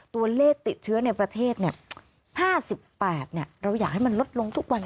ตัวเลขติดเชื้อในประเทศ๕๘เราอยากให้มันลดลงทุกวัน